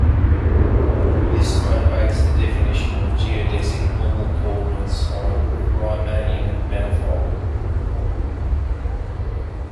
This motivates the definition of geodesic normal coordinates on a Riemannian manifold.